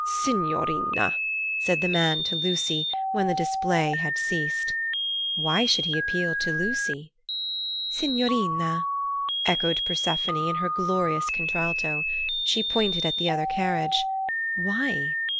"Signorina!" said the man to Lucy, when the display had ceased. Why should he appeal to Lucy? "Signorina!" echoed Persephone in her glorious contralto. She pointed at the other carriage. Why?